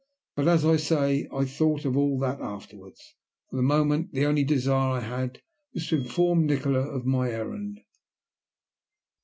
But, as I say, I thought of all that afterwards. For the moment the only desire I had was to inform Nikola of my errand.